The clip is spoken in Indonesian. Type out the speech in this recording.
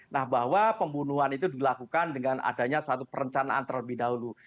nah bahwa pembunuhan itu dilakukan dengan adanya suatu perencanaan terlebih dahulu